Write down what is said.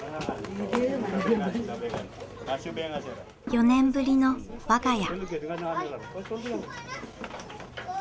４年ぶりの我が家。